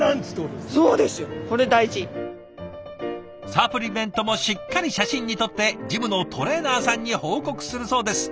サプリメントもしっかり写真に撮ってジムのトレーナーさんに報告するそうです。